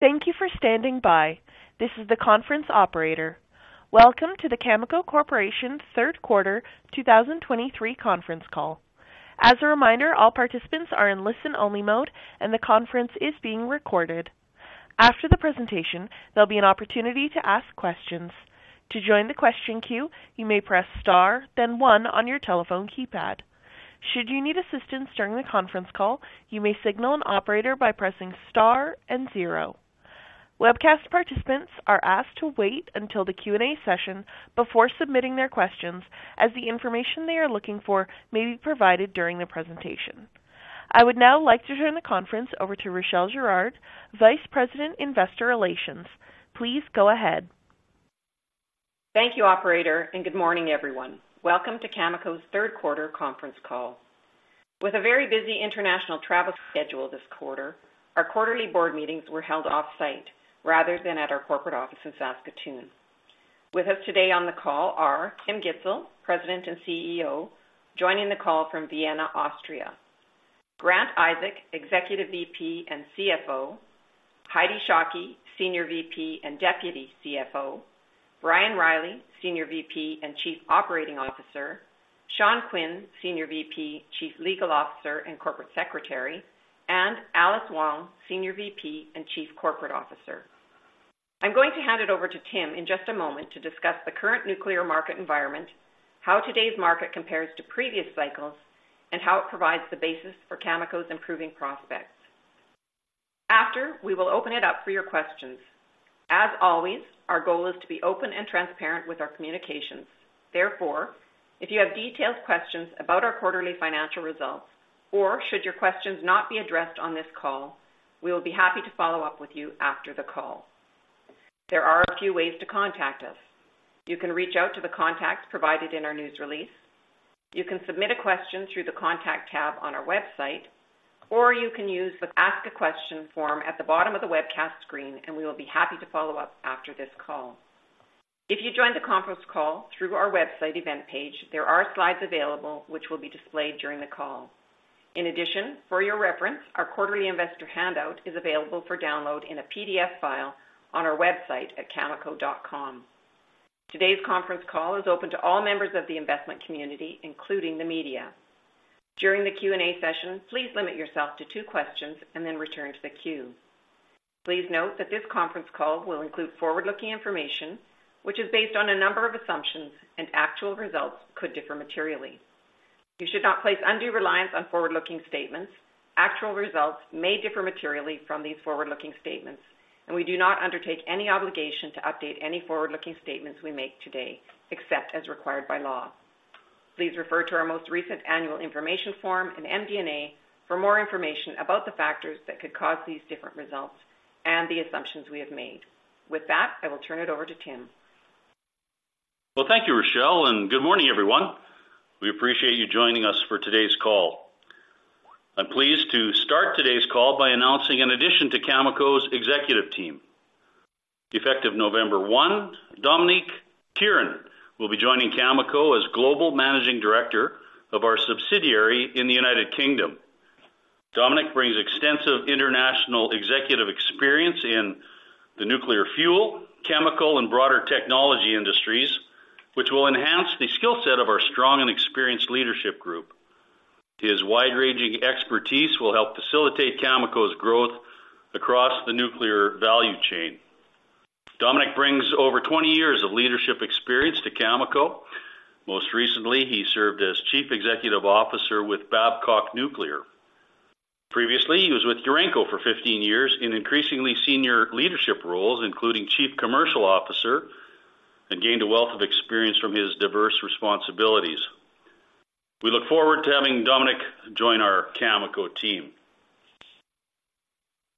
Thank you for standing by. This is the conference operator. Welcome to the Cameco Corporation Third Quarter 2023 conference call. As a reminder, all participants are in listen-only mode, and the conference is being recorded. After the presentation, there'll be an opportunity to ask questions. To join the question queue, you may press Star, then one on your telephone keypad. Should you need assistance during the conference call, you may signal an operator by pressing Star and zero. Webcast participants are asked to wait until the Q&A session before submitting their questions, as the information they are looking for may be provided during the presentation. I would now like to turn the conference over to Rachelle Girard, Vice President, Investor Relations. Please go ahead. Thank you, operator, and good morning, everyone. Welcome to Cameco's third quarter conference call. With a very busy international travel schedule this quarter, our quarterly board meetings were held off-site rather than at our corporate office in Saskatoon. With us today on the call are Tim Gitzel, President and CEO, joining the call from Vienna, Austria, Grant Isaac, Executive VP and CFO, Heidi Shockey, Senior VP and Deputy CFO, Brian Reilly, Senior VP and Chief Operating Officer, Sean Quinn, Senior VP, Chief Legal Officer, and Corporate Secretary, and Alice Wong, Senior VP and Chief Corporate Officer. I'm going to hand it over to Tim in just a moment to discuss the current nuclear market environment, how today's market compares to previous cycles, and how it provides the basis for Cameco's improving prospects. After, we will open it up for your questions. As always, our goal is to be open and transparent with our communications. Therefore, if you have detailed questions about our quarterly financial results, or should your questions not be addressed on this call, we will be happy to follow-up with you after the call. There are a few ways to contact us. You can reach out to the contacts provided in our news release, you can submit a question through the Contact tab on our website, or you can use the Ask a Question form at the bottom of the webcast screen, and we will be happy to follow up after this call. If you joined the conference call through our website event page, there are slides available which will be displayed during the call. In addition, for your reference, our quarterly investor handout is available for download in a PDF file on our website at Cameco.com. Today's conference call is open to all members of the investment community, including the media. During the Q&A session, please limit yourself to two questions and then return to the queue. Please note that this conference call will include forward-looking information, which is based on a number of assumptions, and actual results could differ materially. You should not place undue reliance on forward-looking statements. Actual results may differ materially from these forward-looking statements, and we do not undertake any obligation to update any forward-looking statements we make today, except as required by law. Please refer to our most recent Annual Information Form and MD&A for more information about the factors that could cause these different results and the assumptions we have made. With that, I will turn it over to Tim. Well, thank you, Rachelle, and good morning, everyone. We appreciate you joining us for today's call. I'm pleased to start today's call by announcing an addition to Cameco's executive team. Effective November 1, Dominic Kieran will be joining Cameco as Global Managing Director of our subsidiary in the United Kingdom. Dominic brings extensive international executive experience in the nuclear fuel, chemical, and broader technology industries, which will enhance the skill set of our strong and experienced leadership group. His wide-ranging expertise will help facilitate Cameco's growth across the nuclear value chain. Dominic brings over 20 years of leadership experience to Cameco. Most recently, he served as Chief Executive Officer with Babcock Nuclear. Previously, he was with Urenco for 15 years in increasingly senior leadership roles, including Chief Commercial Officer, and gained a wealth of experience from his diverse responsibilities. We look forward to having Dominic join our Cameco team.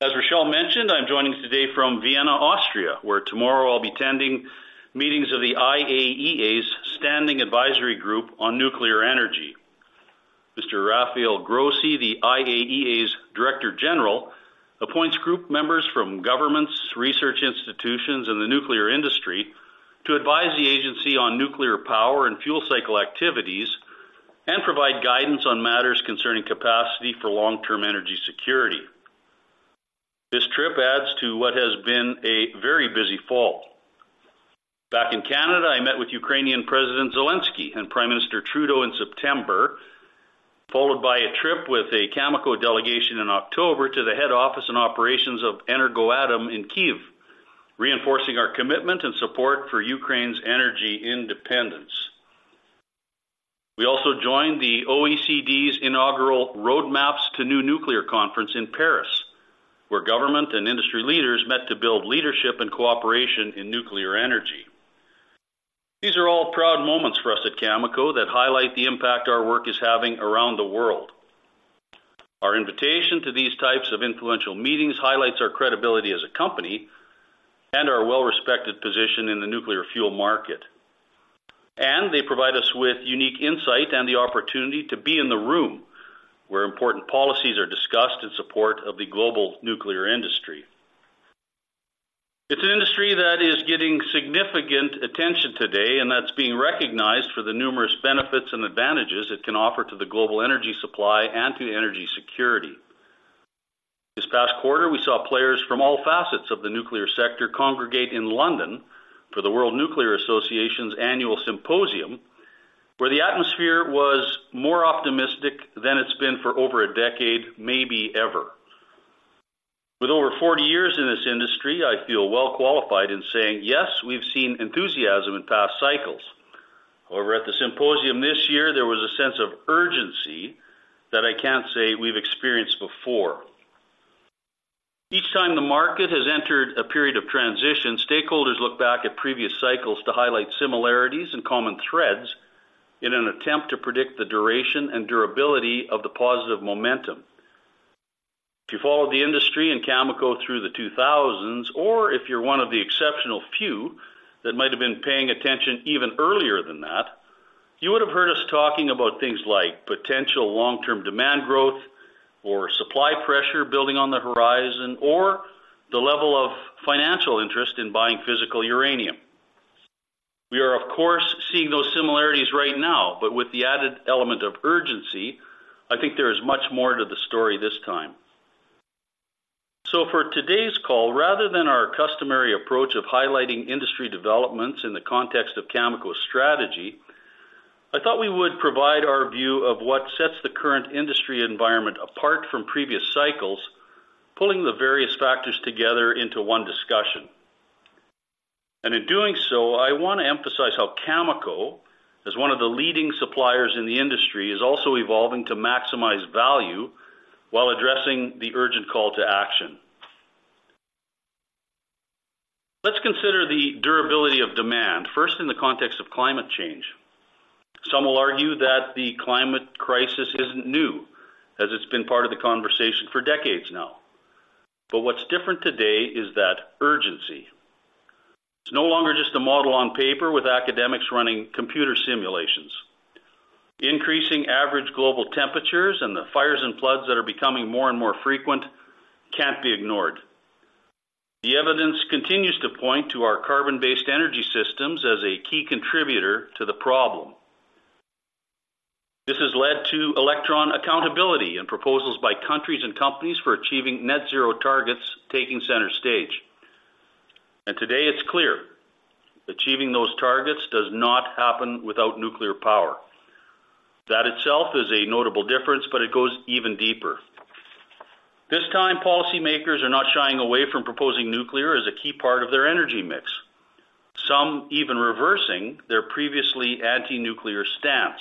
As Rachelle mentioned, I'm joining today from Vienna, Austria, where tomorrow I'll be attending meetings of the IAEA's Standing Advisory Group on Nuclear Energy. Mr. Rafael Grossi, the IAEA's Director General, appoints group members from governments, research institutions, and the nuclear industry to advise the agency on nuclear power and fuel cycle activities and provide guidance on matters concerning capacity for long-term energy security. This trip adds to what has been a very busy fall. Back in Canada, I met with Ukrainian President Zelenskyy and Prime Minister Trudeau in September, followed by a trip with a Cameco delegation in October to the head office and operations of Energoatom in Kyiv, reinforcing our commitment and support for Ukraine's energy independence. We also joined the OECD's inaugural Roadmaps to New Nuclear Conference in Paris, where government and industry leaders met to build leadership and cooperation in nuclear energy. These are all proud moments for us at Cameco that highlight the impact our work is having around the world. Our invitation to these types of influential meetings highlights our credibility as a company and our well-respected position in the nuclear fuel market. They provide us with unique insight and the opportunity to be in the room where important policies are discussed in support of the global nuclear industry. It's an industry that is getting significant attention today, and that's being recognized for the numerous benefits and advantages it can offer to the global energy supply and to energy security. This past quarter, we saw players from all facets of the nuclear sector congregate in London for the World Nuclear Association's annual symposium, where the atmosphere was more optimistic than it's been for over a decade, maybe ever. With over 40 years in this industry, I feel well qualified in saying, yes, we've seen enthusiasm in past cycles. However, at the symposium this year, there was a sense of urgency that I can't say we've experienced before. Each time the market has entered a period of transition, stakeholders look back at previous cycles to highlight similarities and common threads in an attempt to predict the duration and durability of the positive momentum. If you followed the industry and Cameco through the 2000s, or if you're one of the exceptional few that might have been paying attention even earlier than that, you would have heard us talking about things like potential long-term demand growth or supply pressure building on the horizon, or the level of financial interest in buying physical uranium. We are, of course, seeing those similarities right now, but with the added element of urgency, I think there is much more to the story this time. For today's call, rather than our customary approach of highlighting industry developments in the context of Cameco's strategy, I thought we would provide our view of what sets the current industry environment apart from previous cycles, pulling the various factors together into one discussion. In doing so, I want to emphasize how Cameco, as one of the leading suppliers in the industry, is also evolving to maximize value while addressing the urgent call to action. Let's consider the durability of demand, first in the context of climate change. Some will argue that the climate crisis isn't new, as it's been part of the conversation for decades now. But what's different today is that urgency. It's no longer just a model on paper with academics running computer simulations. Increasing average global temperatures and the fires and floods that are becoming more and more frequent can't be ignored. The evidence continues to point to our carbon-based energy systems as a key contributor to the problem. This has led to electron accountability and proposals by countries and companies for achieving net zero targets, taking center stage. Today, it's clear: achieving those targets does not happen without nuclear power. That itself is a notable difference, but it goes even deeper. This time, policymakers are not shying away from proposing nuclear as a key part of their energy mix, some even reversing their previously anti-nuclear stance.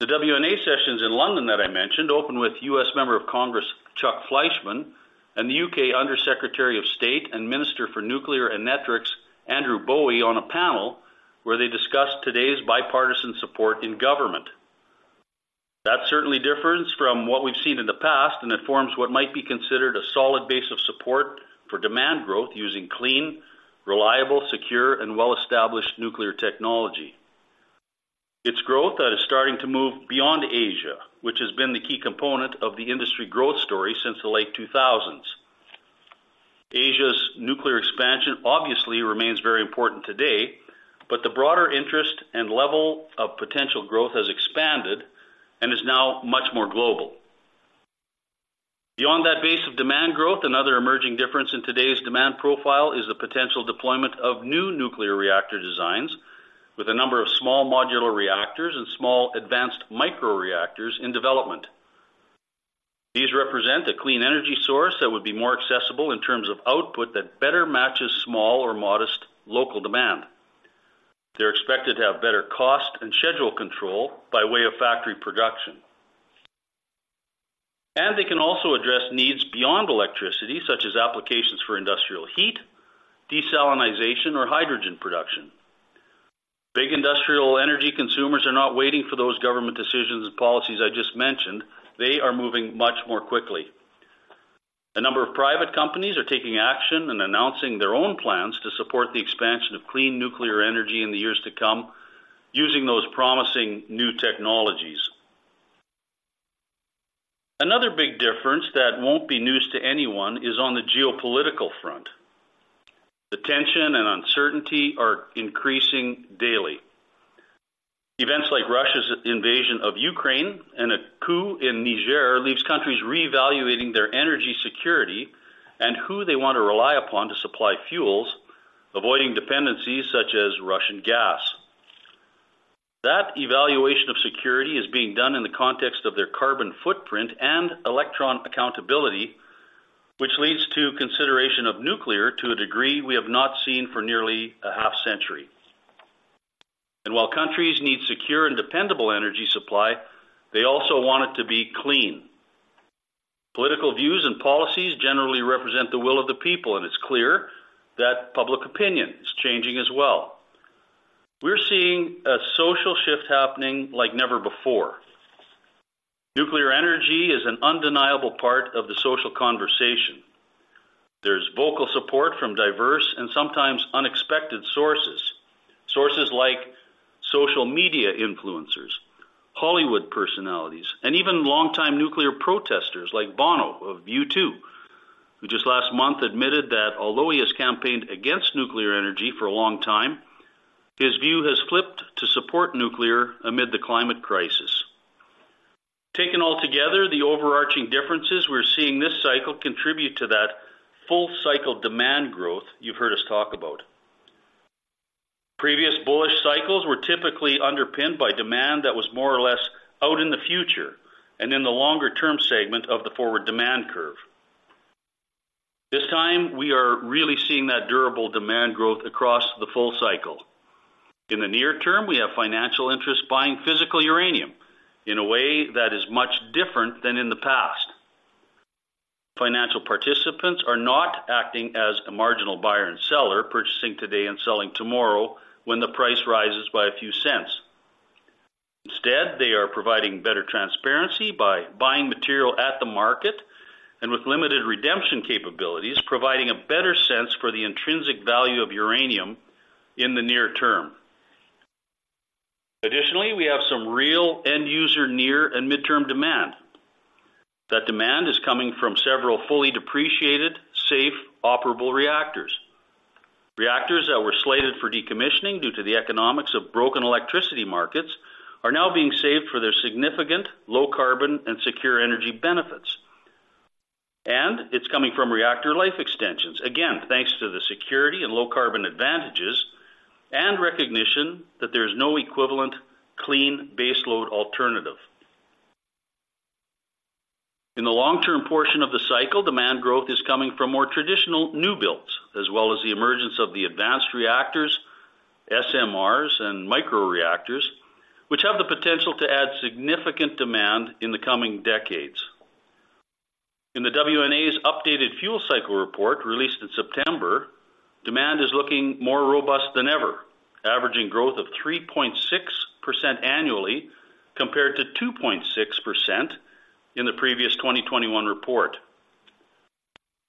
The WNA sessions in London that I mentioned, opened with U.S. Member of Congress, Chuck Fleischmann, and the U.K. Undersecretary of State and Minister for Nuclear and Networks, Andrew Bowie, on a panel where they discussed today's bipartisan support in government. That certainly differs from what we've seen in the past, and it forms what might be considered a solid base of support for demand growth using clean, reliable, secure, and well-established nuclear technology. Its growth that is starting to move beyond Asia, which has been the key component of the industry growth story since the late 2000s. Asia's nuclear expansion obviously remains very important today, but the broader interest and level of potential growth has expanded and is now much more global. Beyond that base of demand growth, another emerging difference in today's demand profile is the potential deployment of new nuclear reactor designs with a number of small modular reactors and small advanced microreactors in development. These represent a clean energy source that would be more accessible in terms of output that better matches small or modest local demand. They're expected to have better cost and schedule control by way of factory production. They can also address needs beyond electricity, such as applications for industrial heat, desalinization, or hydrogen production. Big industrial energy consumers are not waiting for those government decisions and policies I just mentioned. They are moving much more quickly. A number of private companies are taking action and announcing their own plans to support the expansion of clean nuclear energy in the years to come, using those promising new technologies. Another big difference that won't be news to anyone is on the geopolitical front. The tension and uncertainty are increasing daily. Events like Russia's invasion of Ukraine and a coup in Niger leaves countries reevaluating their energy security and who they want to rely upon to supply fuels, avoiding dependencies such as Russian gas. That evaluation of security is being done in the context of their carbon footprint and electron accountability, which leads to consideration of nuclear to a degree we have not seen for nearly a half-century. And while countries need secure and dependable energy supply, they also want it to be clean. Political views and policies generally represent the will of the people, and it's clear that public opinion is changing as well. We're seeing a social shift happening like never before. Nuclear energy is an undeniable part of the social conversation. There's vocal support from diverse and sometimes unexpected sources. Sources like social media influencers, Hollywood personalities, and even longtime nuclear protesters like Bono of U2, who just last month admitted that although he has campaigned against nuclear energy for a long time, his view has flipped to support nuclear amid the climate crisis. Taken altogether, the overarching differences we're seeing this cycle contribute to that full cycle demand growth you've heard us talk about. Previous bullish cycles were typically underpinned by demand that was more or less out in the future and in the longer-term segment of the forward demand curve. This time, we are really seeing that durable demand growth across the full cycle. In the near-term, we have financial interests buying physical uranium in a way that is much different than in the past. Financial participants are not acting as a marginal buyer and seller, purchasing today and selling tomorrow when the price rises by a few cents. Instead, they are providing better transparency by buying material at the market and with limited redemption capabilities, providing a better sense for the intrinsic value of uranium in the near-term. Additionally, we have some real end user near and mid-term demand. That demand is coming from several fully depreciated, safe, operable reactors. Reactors that were slated for decommissioning due to the economics of broken electricity markets, are now being saved for their significant low carbon and secure energy benefits, and it's coming from reactor life extensions. Again, thanks to the security and low carbon advantages and recognition that there is no equivalent clean baseload alternative. In the long-term portion of the cycle, demand growth is coming from more traditional new builds, as well as the emergence of the advanced reactors, SMRs, and microreactors, which have the potential to add significant demand in the coming decades. In the WNA's updated fuel cycle report, released in September, demand is looking more robust than ever, averaging growth of 3.6% annually compared to 2.6% in the previous 2021 report.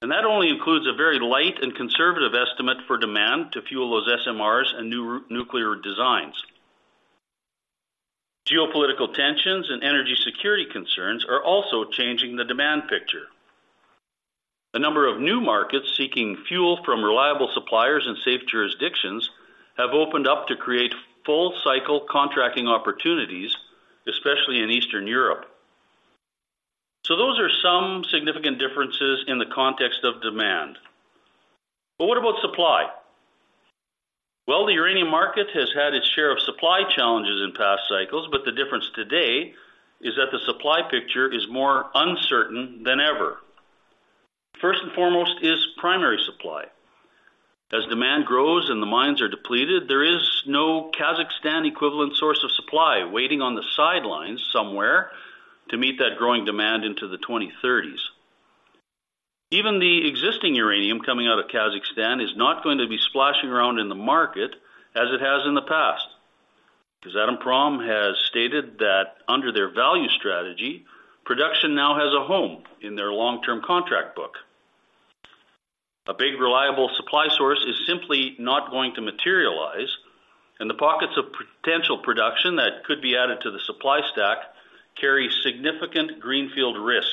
That only includes a very light and conservative estimate for demand to fuel those SMRs and new nuclear designs. Geopolitical tensions and energy security concerns are also changing the demand picture. A number of new markets seeking fuel from reliable suppliers and safe jurisdictions have opened up to create full cycle contracting opportunities, especially in Eastern Europe. Those are some significant differences in the context of demand. What about supply? Well, the uranium market has had its share of supply challenges in past cycles, but the difference today is that the supply picture is more uncertain than ever. First and foremost is primary supply. As demand grows and the mines are depleted, there is no Kazakhstan equivalent source of supply waiting on the sidelines somewhere to meet that growing demand into the 2030s. Even the existing uranium coming out of Kazakhstan is not going to be splashing around in the market as it has in the past, because Kazatomprom has stated that under their value strategy, production now has a home in their long-term contract book. A big, reliable supply source is simply not going to materialize, and the pockets of potential production that could be added to the supply stack carry significant greenfield risk.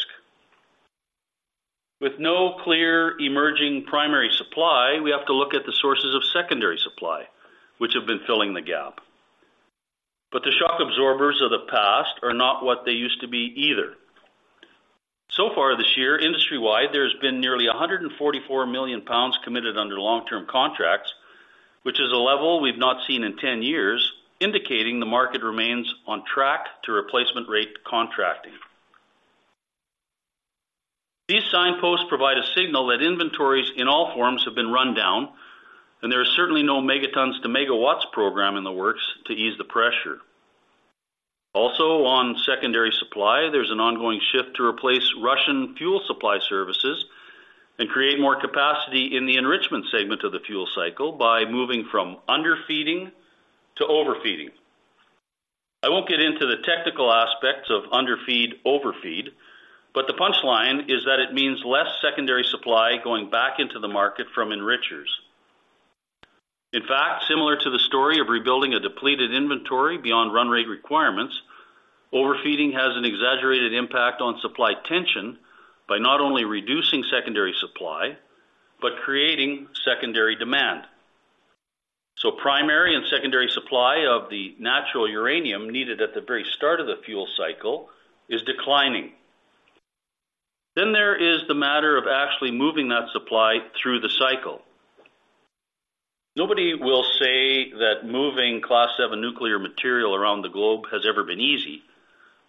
With no clear emerging primary supply, we have to look at the sources of secondary supply, which have been filling the gap. But the shock absorbers of the past are not what they used to be either. So far this year, industry-wide, there has been nearly 144 million pounds committed under long-term contracts, which is a level we've not seen in 10 years, indicating the market remains on track to replacement rate contracting. These signposts provide a signal that inventories in all forms have been run down, and there are certainly no Megatons to Megawatts program in the works to ease the pressure. Also, on secondary supply, there's an ongoing shift to replace Russian fuel supply services and create more capacity in the enrichment segment of the fuel cycle by moving from underfeeding to overfeeding. I won't get into the technical aspects of underfeeding, overfeeding, but the punchline is that it means less secondary supply going back into the market from enrichers. In fact, similar to the story of rebuilding a depleted inventory beyond run rate requirements, overfeeding has an exaggerated impact on supply tension by not only reducing secondary supply, but creating secondary demand. So primary and secondary supply of the natural uranium needed at the very start of the fuel cycle is declining. Then there is the matter of actually moving that supply through the cycle. Nobody will say that moving Class Seven nuclear material around the globe has ever been easy,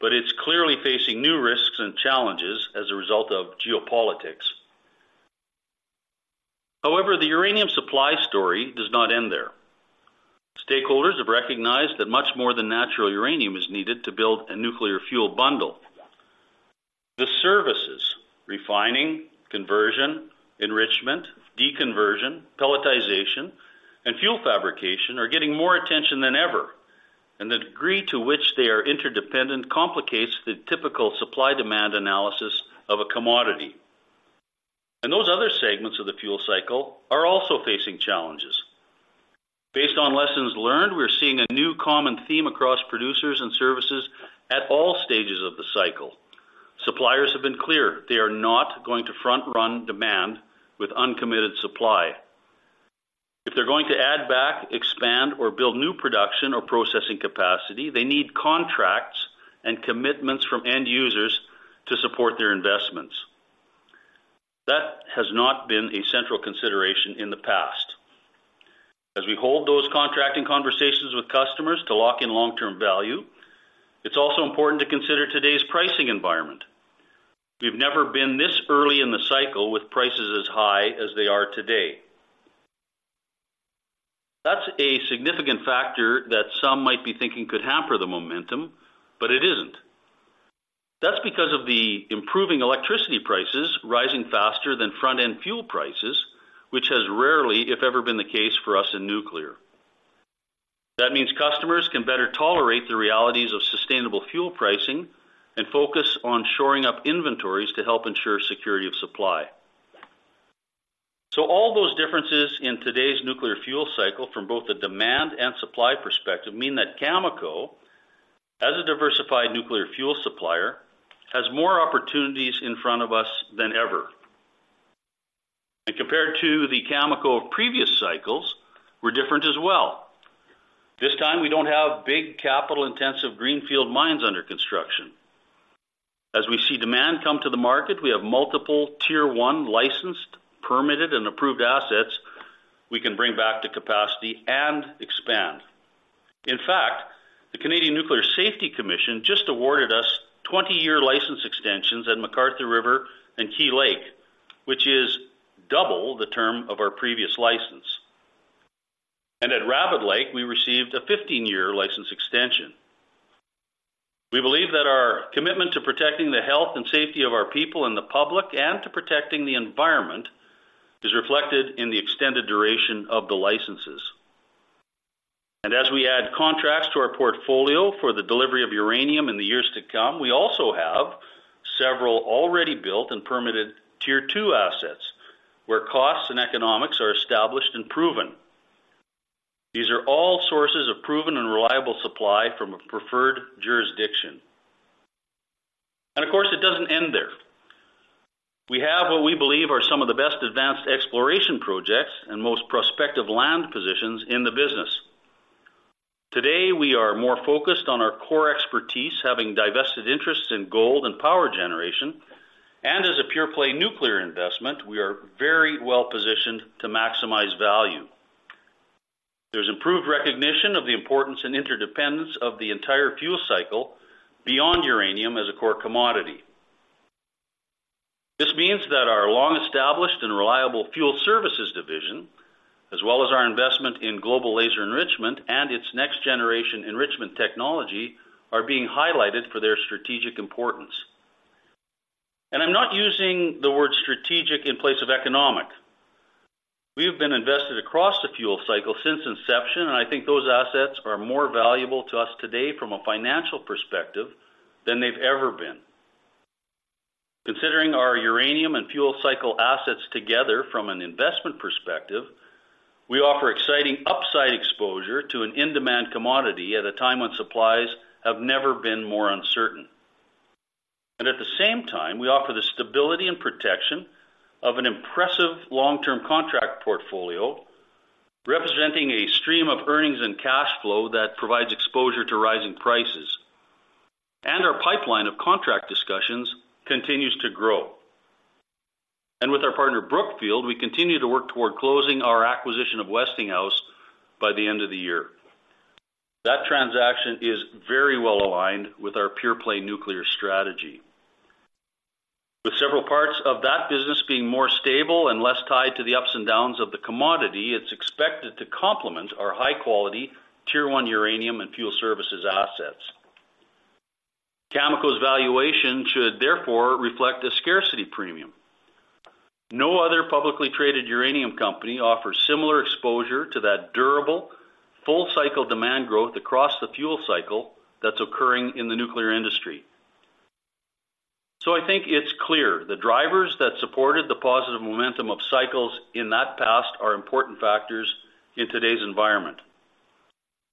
but it's clearly facing new risks and challenges as a result of geopolitics. However, the uranium supply story does not end there. Stakeholders have recognized that much more than natural uranium is needed to build a nuclear fuel bundle. The services, refining, conversion, enrichment, deconversion, pelletization, and fuel fabrication, are getting more attention than ever, and the degree to which they are interdependent complicates the typical supply-demand analysis of a commodity. Those other segments of the fuel cycle are also facing challenges. Based on lessons learned, we're seeing a new common theme across producers and services at all stages of the cycle. Suppliers have been clear they are not going to front-run demand with uncommitted supply. If they're going to add back, expand, or build new production or processing capacity, they need contracts and commitments from end users to support their investments. That has not been a central consideration in the past. As we hold those contracting conversations with customers to lock in long-term value, it's also important to consider today's pricing environment. We've never been this early in the cycle with prices as high as they are today. That's a significant factor that some might be thinking could hamper the momentum, but it isn't. That's because of the improving electricity prices rising faster than front-end fuel prices, which has rarely, if ever, been the case for us in nuclear. That means customers can better tolerate the realities of sustainable fuel pricing and focus on shoring up inventories to help ensure security of supply. So all those differences in today's nuclear fuel cycle, from both a demand and supply perspective, mean that Cameco, as a diversified nuclear fuel supplier, has more opportunities in front of us than ever. And compared to the Cameco of previous cycles, we're different as well. This time, we don't have big, capital-intensive greenfield mines under construction. As we see demand come to the market, we have multiple Tier 1 licensed, permitted, and approved assets we can bring back to capacity and expand. In fact, the Canadian Nuclear Safety Commission just awarded us 20-year license extensions at McArthur River and Key Lake, which is double the term of our previous license. And at Rabbit Lake, we received a 15-year license extension. We believe that our commitment to protecting the health and safety of our people and the public, and to protecting the environment, is reflected in the extended duration of the licenses. And as we add contracts to our portfolio for the delivery of uranium in the years to come, we also have several already built and permitted Tier Two assets, where costs and economics are established and proven. These are all sources of proven and reliable supply from a preferred jurisdiction. Of course, it doesn't end there. We have what we believe are some of the best advanced exploration projects and most prospective land positions in the business. Today, we are more focused on our core expertise, having divested interests in gold and power generation, and as a pure play nuclear investment, we are very well-positioned to maximize value. There's improved recognition of the importance and interdependence of the entire fuel cycle beyond uranium as a core commodity. This means that our long-established and reliable Fuel Services division, as well as our investment in Global Laser Enrichment and its next-generation enrichment technology, are being highlighted for their strategic importance. I'm not using the word strategic in place of economic. We've been invested across the fuel cycle since inception, and I think those assets are more valuable to us today from a financial perspective than they've ever been. Considering our Uranium and Fuel Cycle assets together from an investment perspective, we offer exciting upside exposure to an in-demand commodity at a time when supplies have never been more uncertain. At the same time, we offer the stability and protection of an impressive long-term contract portfolio, representing a stream of earnings and cash flow that provides exposure to rising prices. Our pipeline of contract discussions continues to grow. With our partner, Brookfield, we continue to work toward closing our acquisition of Westinghouse by the end of the year. That transaction is very well aligned with our pure play nuclear strategy. With several parts of that business being more stable and less tied to the ups and downs of the commodity, it's expected to complement our high-quality Tier 1 uranium and fuel services assets. Cameco's valuation should therefore reflect a scarcity premium. No other publicly traded uranium company offers similar exposure to that durable, full cycle demand growth across the fuel cycle that's occurring in the nuclear industry. So I think it's clear the drivers that supported the positive momentum of cycles in the past are important factors in today's environment.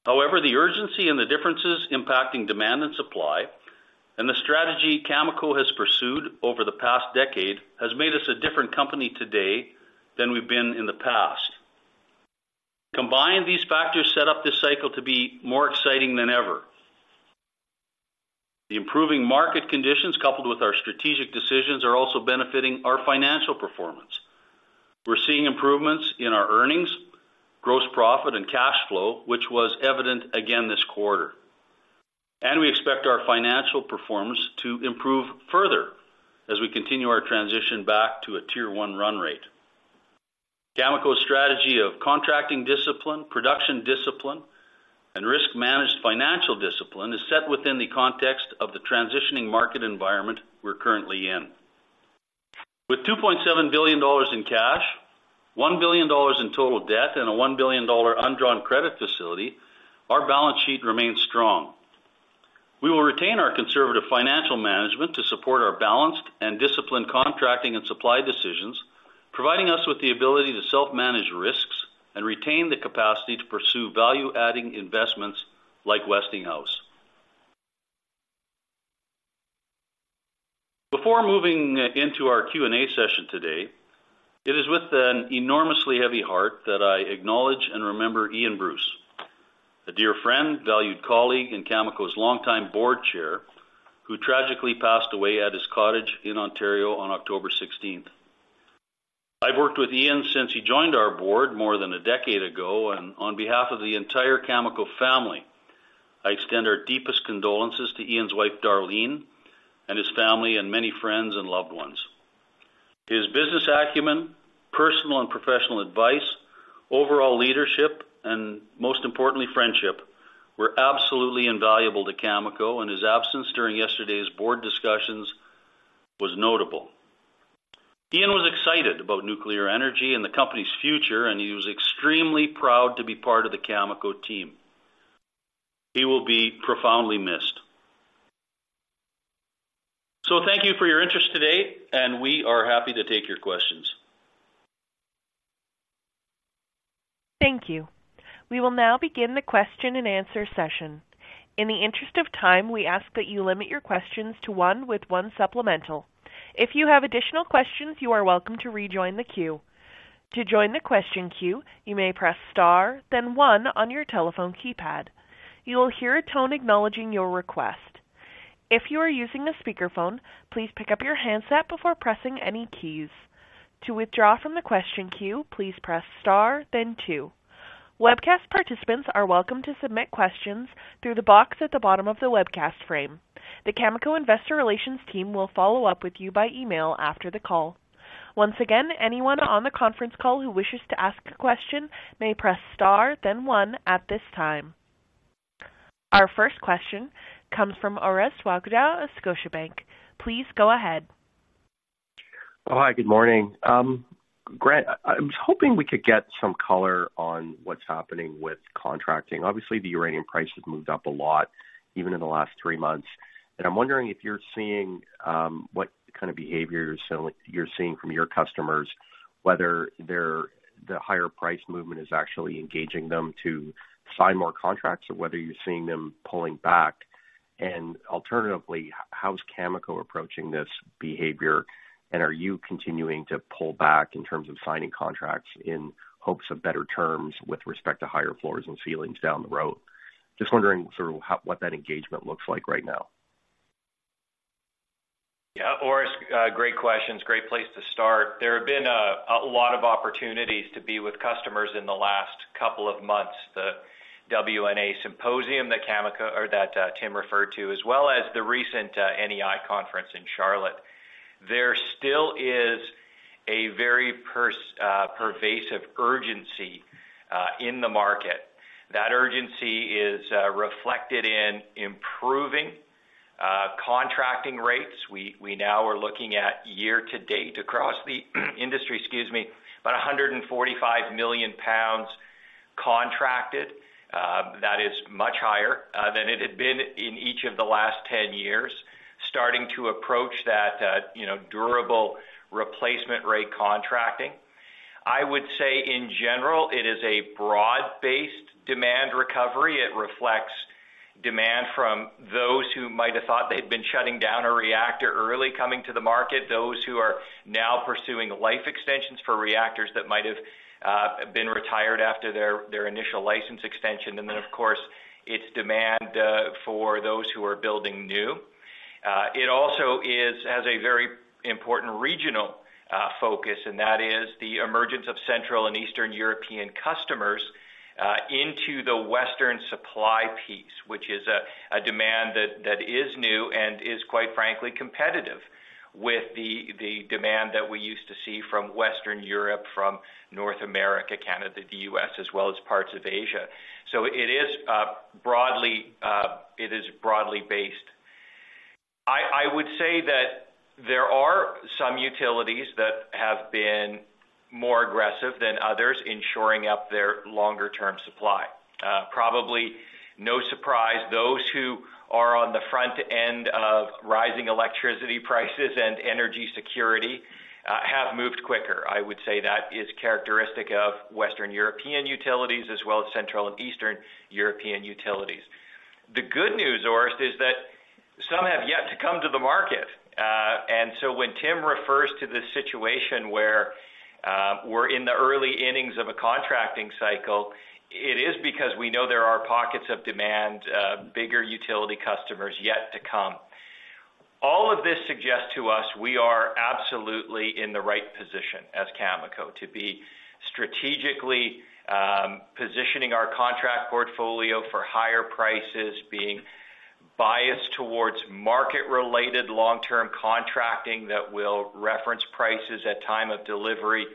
However, the urgency and the differences impacting demand and supply, and the strategy Cameco has pursued over the past decade, has made us a different company today than we've been in the past. Combined, these factors set up this cycle to be more exciting than ever. The improving market conditions, coupled with our strategic decisions, are also benefiting our financial performance. We're seeing improvements in our earnings, gross profit, and cash flow, which was evident again this quarter. And we expect our financial performance to improve further as we continue our transition back to a Tier 1 run rate. Cameco's strategy of contracting discipline, production discipline, and risk-managed financial discipline is set within the context of the transitioning market environment we're currently in. With $2.7 billion in cash, $1 billion in total debt, and a $1 billion undrawn credit facility, our balance sheet remains strong. We retain our Conservative Financial Management to support our balanced and disciplined contracting and supply decisions, providing us with the ability to self-manage risks and retain the capacity to pursue value-adding investments like Westinghouse. Before moving into our Q&A session today, it is with an enormously heavy heart that I acknowledge and remember Ian Bruce, a dear friend, valued colleague, and Cameco's longtime Board Chair, who tragically passed away at his cottage in Ontario on October 16th. I've worked with Ian since he joined our Board more than a decade ago, and on behalf of the entire Cameco family, I extend our deepest condolences to Ian's wife, Darlene, and his family and many friends and loved ones. His business acumen, personal and professional advice, overall leadership, and most importantly, friendship, were absolutely invaluable to Cameco, and his absence during yesterday's board discussions was notable. Ian was excited about nuclear energy and the company's future, and he was extremely proud to be part of the Cameco team. He will be profoundly missed. Thank you for your interest today, and we are happy to take your questions. Thank you. We will now begin the question-and-answer session. In the interest of time, we ask that you limit your questions to one with one supplemental. If you have additional questions, you are welcome to rejoin the queue. To join the question queue, you may press Star, then one on your telephone keypad. You will hear a tone acknowledging your request. If you are using a speakerphone, please pick up your handset before pressing any keys. To withdraw from the question queue, please press Star, then two. Webcast participants are welcome to submit questions through the box at the bottom of the webcast frame. The Cameco Investor Relations team will follow-up with you by email after the call. Once again, anyone on the conference call who wishes to ask a question may press Star, then one at this time. Our first question comes from Orest Wowkodaw of Scotiabank. Please go ahead. Hi, good morning. Grant, I was hoping we could get some color on what's happening with contracting. Obviously, the uranium price has moved up a lot, even in the last three months, and I'm wondering if you're seeing what kind of behavior you're seeing from your customers, whether they're, the higher price movement is actually engaging them to sign more contracts or whether you're seeing them pulling back. And alternatively, how's Cameco approaching this behavior, and are you continuing to pull back in terms of signing contracts in hopes of better terms with respect to higher floors and ceilings down the road? Just wondering sort of how what that engagement looks like right now. Yeah, Orest, great questions. Great place to start. There have been a lot of opportunities to be with customers in the last couple of months, the WNA symposium that Cameco or that, Tim referred to, as well as the recent, NEI conference in Charlotte. There still is a very pervasive urgency, in the market. That urgency is, reflected in improving, contracting rates. We now are looking at year to date across the industry, excuse me, about 145 million pounds contracted. That is much higher, than it had been in each of the last 10 years, starting to approach that, you know, durable replacement rate contracting. I would say in general, it is a broad-based demand recovery. It reflects demand from those who might have thought they'd been shutting down a reactor early coming to the market, those who are now pursuing life extensions for reactors that might have been retired after their initial license extension, and then, of course, its demand for those who are building new. It also has a very important regional focus, and that is the emergence of Central and Eastern European customers into the Western supply piece, which is a demand that is new and is quite frankly competitive with the demand that we used to see from Western Europe, from North America, Canada, the U.S., as well as parts of Asia. So it is broadly based. I would say that there are some utilities that have been more aggressive than others in shoring up their longer-term supply. Probably no surprise, those who are on the front end of rising electricity prices and energy security have moved quicker. I would say that is characteristic of Western European utilities as well as Central and Eastern European utilities. The good news, Orest, is that some have yet to come to the market. And so when Tim refers to this situation where we're in the early innings of a contracting cycle, it is because we know there are pockets of demand, bigger utility customers yet to come. All of this suggests to us we are absolutely in the right position as Cameco to be strategically, positioning our contract portfolio for higher prices, being biased towards market-related long-term contracting that will reference prices at time of delivery,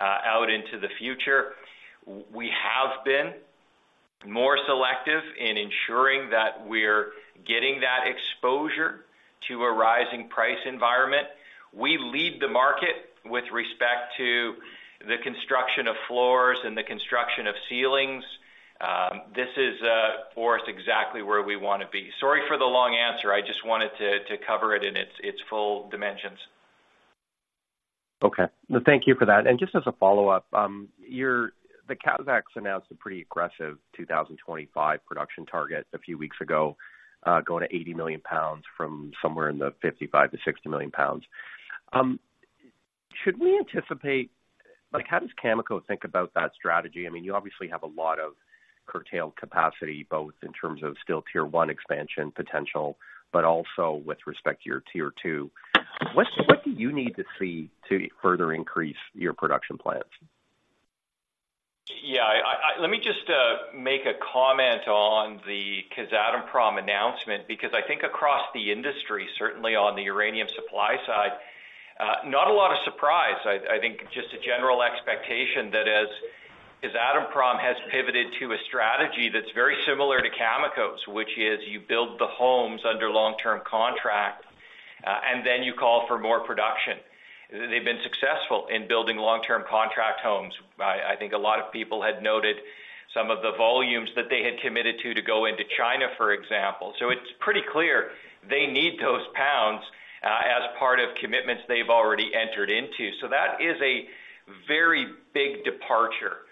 out into the future. We have been more selective in ensuring that we're getting that exposure to a rising price environment. We lead the market with respect to the construction of floors and the construction of ceilings. This is, for us, exactly where we want to be. Sorry for the long answer. I just wanted to cover it in its full dimensions. Okay. Well, thank you for that. And just as a follow-up, the Kazatomprom announced a pretty aggressive 2025 production target a few weeks ago, going to 80 million pounds from somewhere in the 55 million-60 million pounds. Should we anticipate, like, how does Cameco think about that strategy? I mean, you obviously have a lot of curtailed capacity, both in terms of still Tier 1 expansion potential, but also with respect to your Tier 2. What do you need to see to further increase your production plans? Yeah, I-- let me just make a comment on the Kazatomprom announcement, because I think across the industry, certainly on the uranium supply side, not a lot of surprise. I think just a general expectation that as Kazatomprom has pivoted to a strategy that's very similar to Cameco's, which is you build the homes under long-term contract, and then you call for more production. They've been successful in building long-term contract homes. I think a lot of people had noted some of the volumes that they had committed to, to go into China, for example. So it's pretty clear they need those pounds, as part of commitments they've already entered into. So that is a very big departure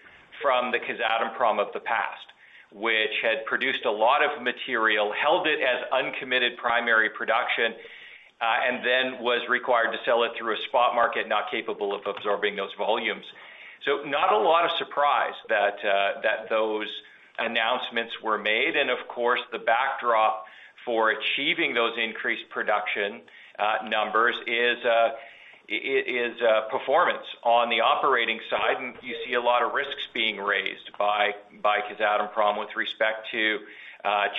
from the Kazatomprom of the past, which had produced a lot of material, held it as uncommitted primary production, and then was required to sell it through a spot market not capable of absorbing those volumes. So not a lot of surprise that those announcements were made. And of course, the backdrop for achieving those increased production numbers is performance on the operating side, and you see a lot of risks being raised by Kazatomprom with respect to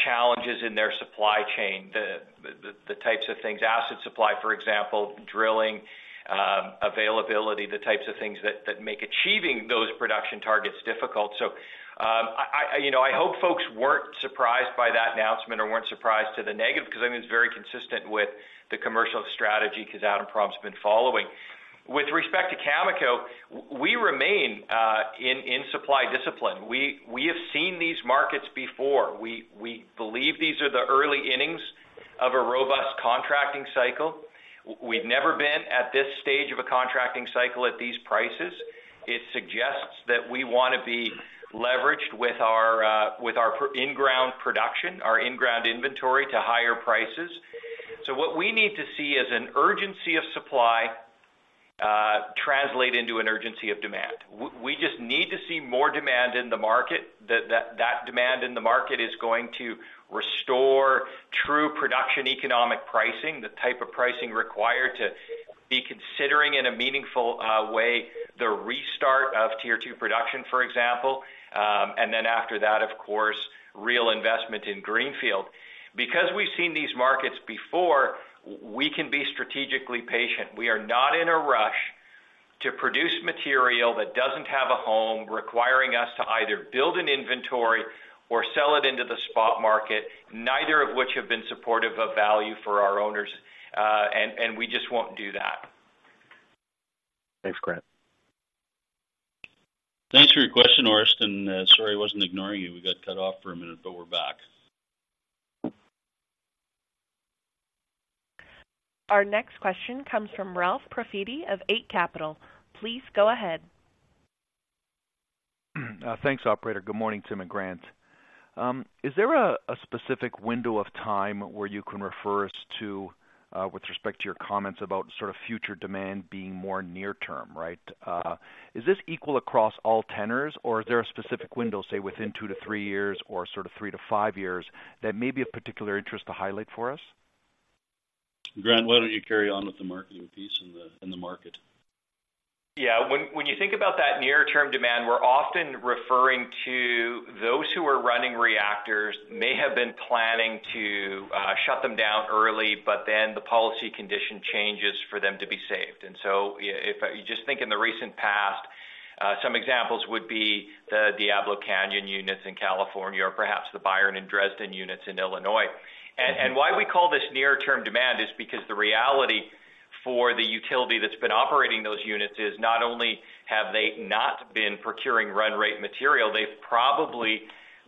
challenges in their supply chain, the types of things, asset supply, for example, drilling, availability, the types of things that make achieving those production targets difficult. So, you know, I hope folks weren't surprised by that announcement or weren't surprised to the negative, because I think it's very consistent with the commercial strategy Kazatomprom's been following. With respect to Cameco, we remain in supply discipline. We have seen these markets before. We believe these are the early innings of a robust contracting cycle. We've never been at this stage of a contracting cycle at these prices. It suggests that we want to be leveraged with our in-ground production, our in-ground inventory to higher prices. So what we need to see is an urgency of supply translate into an urgency of demand. We just need to see more demand in the market, that demand in the market is going to restore true production economic pricing, the type of pricing required to be considering in a meaningful way, the restart of Tier 2 production, for example, and then after that, of course, real investment in greenfield. Because we've seen these markets before, we can be strategically patient. We are not in a rush to produce material that doesn't have a home, requiring us to either build an inventory or sell it into the spot market, neither of which have been supportive of value for our owners, and we just won't do that. Thanks, Grant. Thanks for your question, Orest, sorry, I wasn't ignoring you. We got cut off for a minute, but we're back. Our next question comes from Ralph Profiti of Eight Capital. Please go ahead. Thanks, operator. Good morning, Tim and Grant. Is there a specific window of time where you can refer us to, with respect to your comments about sort of future demand being more near-term, right? Is this equal across all tenors, or is there a specific window, say, within 2-3 years or sort of 3-5 years, that may be of particular interest to highlight for us? Grant, why don't you carry on with the marketing piece in the, in the market? Yeah, when you think about that near-term demand, we're often referring to those who are running reactors, may have been planning to shut them down early, but then the policy condition changes for them to be saved. And so if you just think in the recent past, some examples would be the Diablo Canyon units in California or perhaps the Byron and Dresden units in Illinois. And why we call this near-term demand is because the reality for the utility that's been operating those units is not only have they not been procuring run rate material, they've probably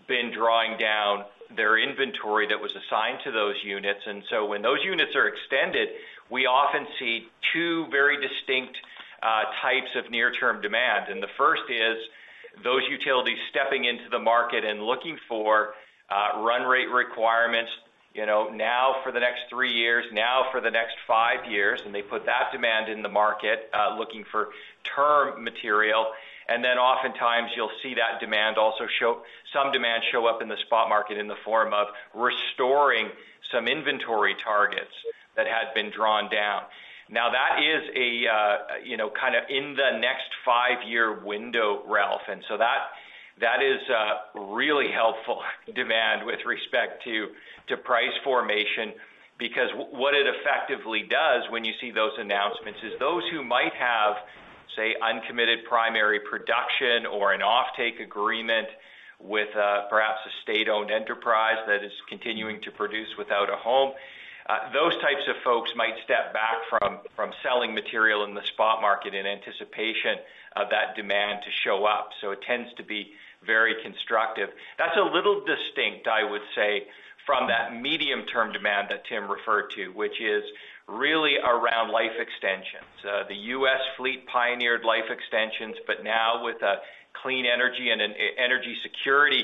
been drawing down their inventory that was assigned to those units. And so when those units are extended, we often see two very distinct types of near-term demand. The first is those utilities stepping into the market and looking for run rate requirements, you know, now for the next three years, now for the next five years, and they put that demand in the market, looking for term material. Then oftentimes you'll see that demand also show up in the spot market in the form of restoring some inventory targets that had been drawn down. Now, that is a, you know, kind of in the next five-year window, Ralph, and so that, that is a really helpful demand with respect to price formation, because what it effectively does when you see those announcements, is those who might have say, uncommitted primary production or an offtake agreement with, perhaps a state-owned enterprise that is continuing to produce without a home. Those types of folks might step back from selling material in the spot market in anticipation of that demand to show up, so it tends to be very constructive. That's a little distinct, I would say, from that medium-term demand that Tim referred to, which is really around life extensions. The U.S. fleet pioneered life extensions, but now with a clean energy and an energy security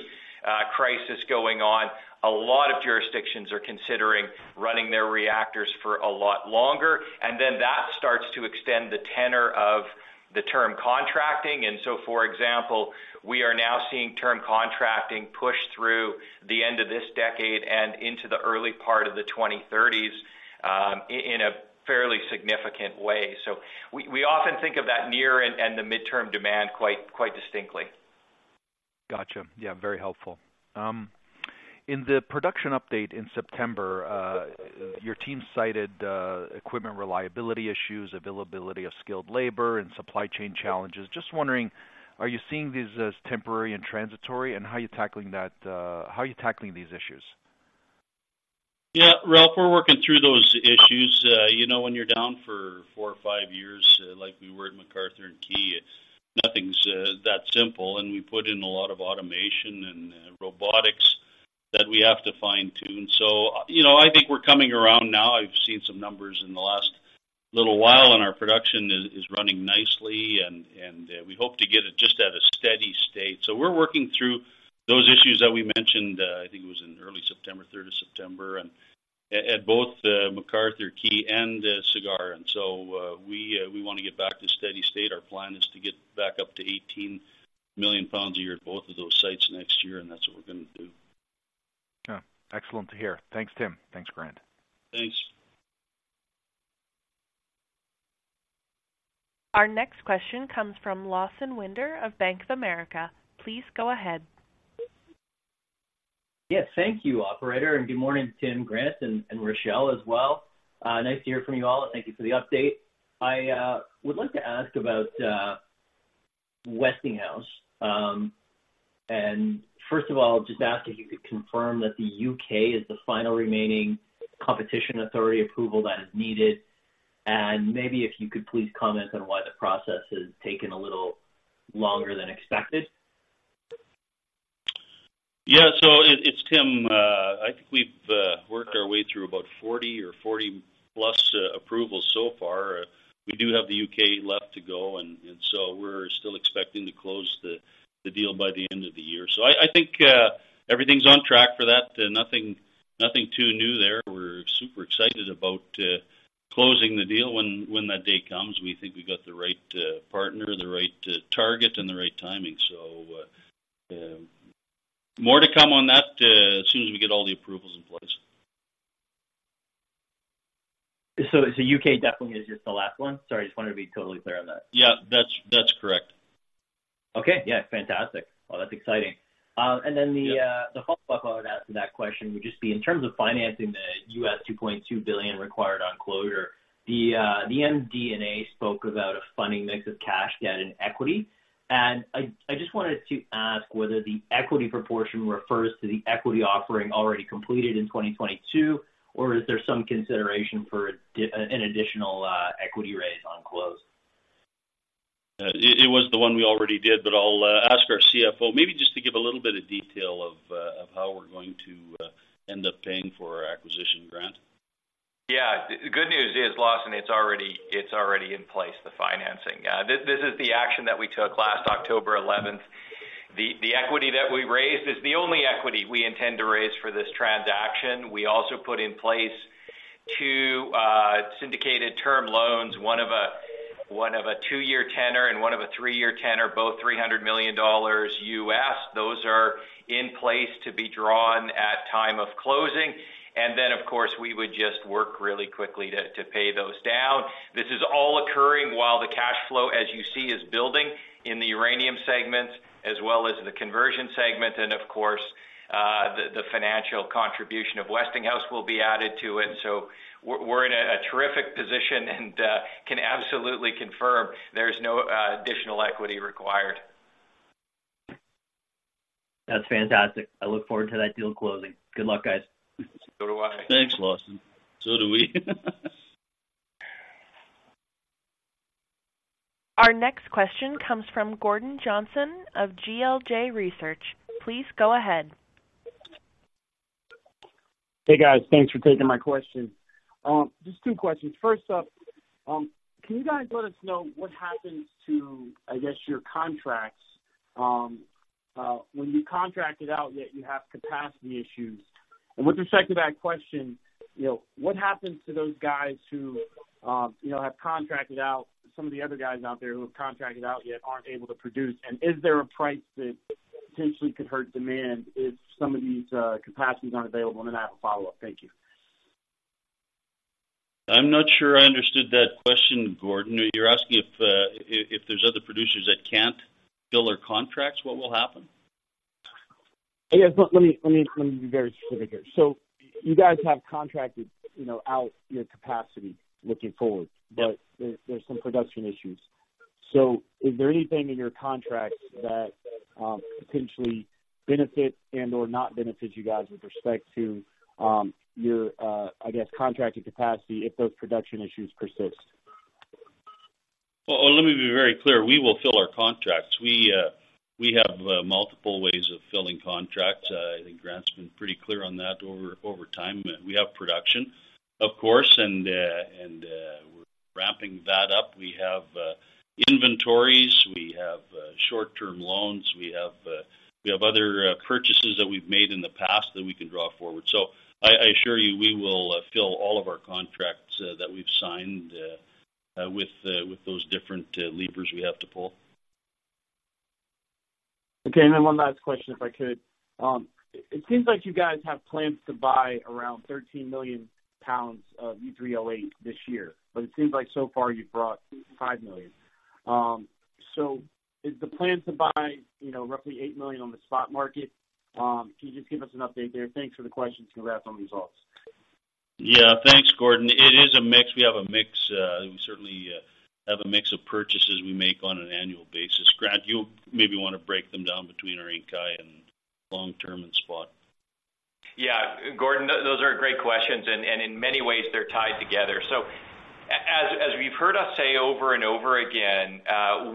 crisis going on, a lot of jurisdictions are considering running their reactors for a lot longer, and then that starts to extend the tenor of the term contracting. And so, for example, we are now seeing term contracting push through the end of this decade and into the early part of the 2030s, in a fairly significant way. So we often think of that near and the mid-term demand quite distinctly. Gotcha. Yeah, very helpful. In the production update in September, your team cited equipment reliability issues, availability of skilled labor, and supply chain challenges. Just wondering, are you seeing these as temporary and transitory, and how are you tackling these issues? Yeah, Ralph, we're working through those issues. You know, when you're down for four or five years, like we were at McArthur and Key, nothing's that simple, and we put in a lot of automation and robotics that we have to fine-tune. So, you know, I think we're coming around now. I've seen some numbers in the last little while, and our production is running nicely and we hope to get it just at a steady state. So we're working through those issues that we mentioned, I think it was in early September, third of September, and at both McArthur Key and Cigar. And so we want to get back to steady state. Our plan is to get back up to 18 million pounds a year at both of those sites next year, and that's what we're going to do. Yeah. Excellent to hear. Thanks, Tim. Thanks, Grant. Thanks. Our next question comes from Lawson Winder of Bank of America. Please go ahead. Yes, thank you, operator, and good morning Tim, Grant, and Rachelle as well. Nice to hear from you all, and thank you for the update. I would like to ask about Westinghouse. And first of all, just ask if you could confirm that the U.K. is the final remaining competition authority approval that is needed, and maybe if you could please comment on why the process has taken a little longer than expected. Yeah, so it's Tim. I think we've worked our way through about 40 or 40+ approvals so far. We do have the U.K. left to go, and so we're still expecting to close the deal by the end of the year. So I think everything's on track for that. Nothing too new there. We're super excited about closing the deal when that day comes. We think we've got the right partner, the right target, and the right timing. So more to come on that as soon as we get all the approvals in place. So, U.K. definitely is just the last one? Sorry, I just wanted to be totally clear on that. Yeah, that's, that's correct. Okay. Yeah, fantastic. Well, that's exciting. And then the- Yeah. The follow-up I would add to that question would just be in terms of financing the U.S. $2.2 billion required on closure. The MD&A spoke about a funding mix of cash, debt, and equity. And I just wanted to ask whether the equity proportion refers to the equity offering already completed in 2022, or is there some consideration for an additional equity raise on close? It was the one we already did, but I'll ask our CFO, maybe just to give a little bit of detail of how we're going to end up paying for our acquisition, Grant? Yeah. The good news is, Lawson, it's already, it's already in place, the financing. This, this is the action that we took last October 11th. The, the equity that we raised is the only equity we intend to raise for this transaction. We also put in place two syndicated term loans, one of a 2-year tenor and one of a 3-year tenor, both $300 million. Those are in place to be drawn at time of closing, and then, of course, we would just work really quickly to, to pay those down. This is all occurring while the cash flow, as you see, is building in the Uranium segment as well as the Conversion segment, and of course, the financial contribution of Westinghouse will be added to it. So we're in a terrific position and can absolutely confirm there's no additional equity required. That's fantastic. I look forward to that deal closing. Good luck, guys. So do I. Thanks, Lawson. So do we. Our next question comes from Gordon Johnson of GLJ Research. Please go ahead. Hey, guys. Thanks for taking my question. Just two questions. First up, can you guys let us know what happens to, I guess, your contracts, when you contract it out, yet you have capacity issues? And with respect to that question, you know, what happens to those guys who, you know, have contracted out, some of the other guys out there who have contracted out, yet aren't able to produce? And is there a price that potentially could hurt demand if some of these capacities aren't available? And then I have a follow-up. Thank you. I'm not sure I understood that question, Gordon. You're asking if there's other producers that can't fill their contracts, what will happen? Yes, but let me be very specific here. So you guys have contracted, you know, out your capacity looking forward, but there, there's some production issues. So is there anything in your contracts that potentially benefits and or not benefits you guys with respect to your, I guess, contracted capacity if those production issues persist? Well, let me be very clear. We will fill our contracts. We have multiple ways of filling contracts. I think Grant's been pretty clear on that over time. We have production, of course, and we're ramping that up. We have inventories. We have short-term loans. We have other purchases that we've made in the past that we can draw forward. So I assure you, we will fill all of our contracts that we've signed with those different levers we have to pull. Okay. And then one last question, if I could. It seems like you guys have plans to buy around 13 million pounds of U3O8 this year, but it seems like so far you've brought 5 million. So is the plan to buy, you know, roughly 8 million on the spot market? Can you just give us an update there? Thanks for the questions, congrats on the results. Yeah, thanks, Gordon. It is a mix. We have a mix. We certainly have a mix of purchases we make on an annual basis. Grant, you maybe want to break them down between our Inkai and long-term and spot. Yeah, Gordon, those are great questions, and in many ways, they're tied together. So as we've heard us say over and over again,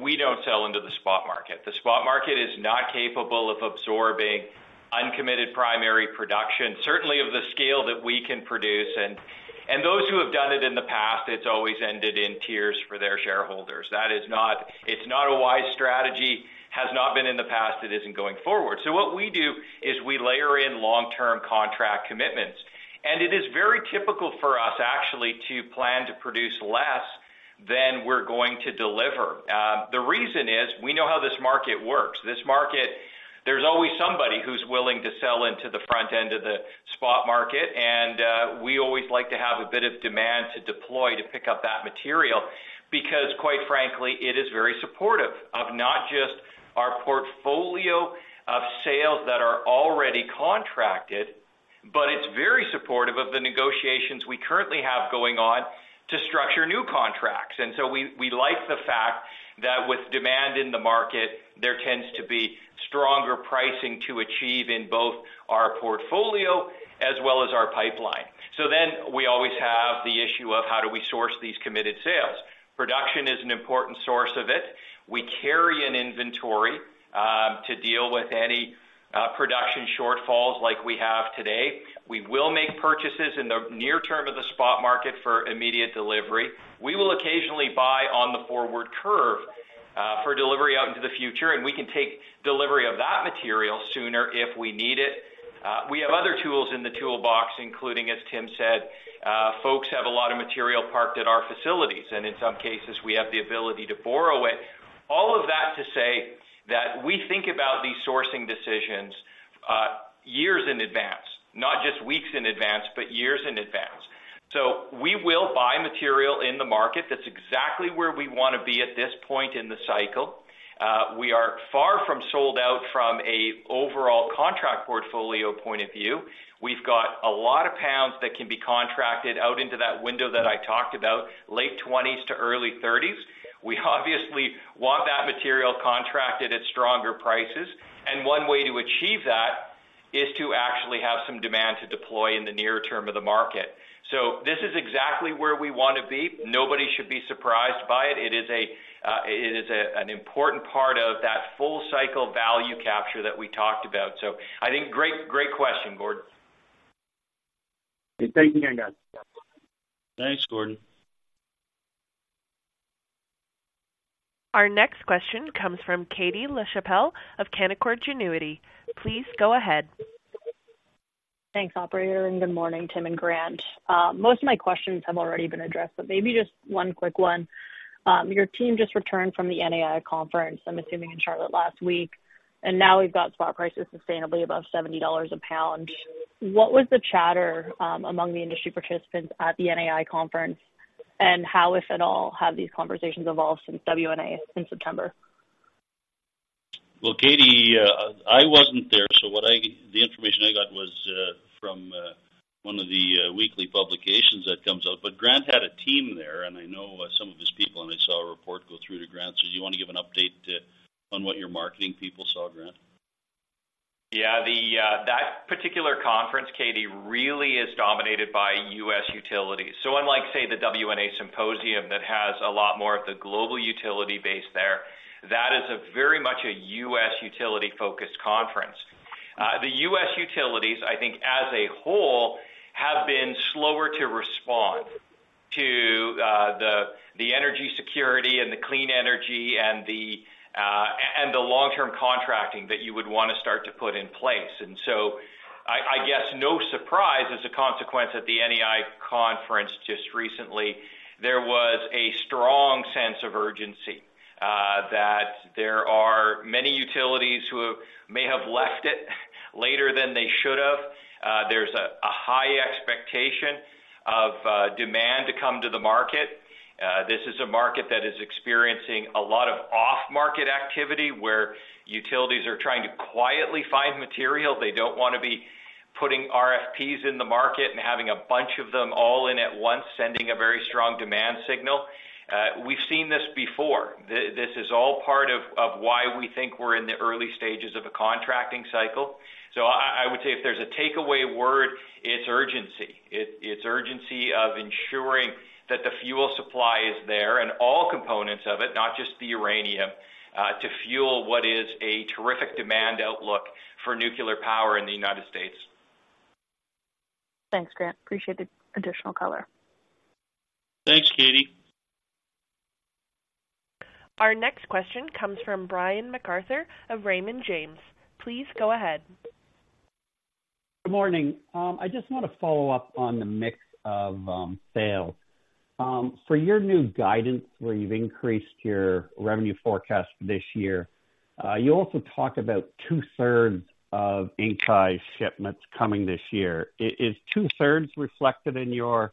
we don't sell into the spot market. The spot market is not capable of absorbing uncommitted primary production, certainly of the scale that we can produce. And those who have done it in the past, it's always ended in tears for their shareholders. That is not. It's not a wise strategy, has not been in the past, it isn't going forward. So what we do is we layer in long-term contract commitments, and it is very typical for us, actually, to plan to produce less than we're going to deliver. The reason is, we know how this market works. This market, there's always somebody who's willing to sell into the front end of the spot market, and we always like to have a bit of demand to deploy to pick up that material, because, quite frankly, it is very supportive of not just our portfolio of sales that are already contracted, but it's very supportive of the negotiations we currently have going on to structure new contracts. And so we, we like the fact that with demand in the market, there tends to be stronger pricing to achieve in both our portfolio as well as our pipeline. So then we always have the issue of how do we source these committed sales? Production is an important source of it. We carry an inventory to deal with any production shortfalls like we have today. We will make purchases in the near-term of the spot market for immediate delivery. We will occasionally buy on the forward curve for delivery out into the future, and we can take delivery of that material sooner if we need it. We have other tools in the toolbox, including, as Tim said, folks have a lot of material parked at our facilities, and in some cases, we have the ability to borrow it. All of that to say that we think about these sourcing decisions years in advance, not just weeks in advance, but years in advance. So we will buy material in the market. That's exactly where we want to be at this point in the cycle. We are far from sold out from a overall contract portfolio point of view. We've got a lot of pounds that can be contracted out into that window that I talked about, late 20s-early 30s. We obviously want that material contracted at stronger prices, and one way to achieve that is to actually have some demand to deploy in the near-term of the market. So this is exactly where we want to be. Nobody should be surprised by it. It is an important part of that full cycle value capture that we talked about. So I think great, great question, Gordon. Thank you again, guys. Thanks, Gordon. Our next question comes from Katie Lachapelle of Canaccord Genuity. Please go ahead. Thanks, operator, and good morning, Tim and Grant. Most of my questions have already been addressed, but maybe just one quick one. Your team just returned from the NEI conference, I'm assuming in Charlotte last week, and now we've got spot prices sustainably above $70 a pound. What was the chatter among the industry participants at the NEI conference? And how, if at all, have these conversations evolved since WNA in September? Well, Katie, I wasn't there, so the information I got was from one of the weekly publications that comes out. But Grant had a team there, and I know some of his people, and I saw a report go through to Grant. So do you want to give an update on what your marketing people saw, Grant? Yeah, that particular conference, Katie, really is dominated by US utilities. So unlike, say, the WNA symposium that has a lot more of the global utility base there, that is a very much a US utility-focused conference. The U.S. utilities, I think, as a whole, have been slower to respond to the energy security and the clean energy and the long-term contracting that you would want to start to put in place. And so I guess, no surprise, as a consequence, at the NEI conference just recently, there was a strong sense of urgency that there are many utilities who may have left it later than they should have. There's a high expectation of demand to come to the market. This is a market that is experiencing a lot of off-market activity, where utilities are trying to quietly find material. They don't want to be putting RFPs in the market and having a bunch of them all in at once, sending a very strong demand signal. We've seen this before. This is all part of why we think we're in the early stages of a contracting cycle. So I would say if there's a takeaway word, it's urgency. It's urgency of ensuring that the fuel supply is there and all components of it, not just the uranium, to fuel what is a terrific demand outlook for nuclear power in the United States. Thanks, Grant. Appreciate the additional color. Thanks, Katie. Our next question comes from Brian MacArthur of Raymond James. Please go ahead. Good morning. I just want to follow up on the mix of sales. For your new guidance, where you've increased your revenue forecast for this year, you also talked about two-thirds of Inkai shipments coming this year. Is two-thirds reflected in your